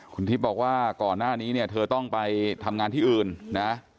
คุณทิพย์บอกว่าก่อนหน้านี้เนี่ยเธอต้องไปทำงานที่อื่นนะ